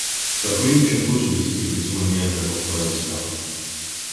Sur la colline du château subsistent quelques témoignages de la forteresse disparue.